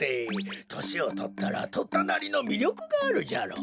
としをとったらとったなりのみりょくがあるじゃろう。